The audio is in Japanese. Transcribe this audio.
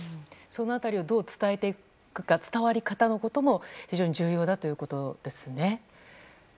その辺りをどう伝えていくか伝わり方のことも非常に重要だということですね。